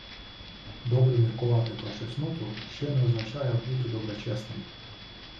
Добре міркувати про чесноту – ще не означає бути доброчесним